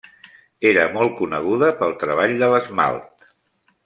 Era molt coneguda pel treball de l'esmalt.